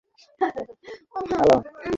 সেতু দ্বারা সড়কটি চম্পা নদী অতিক্রম করে।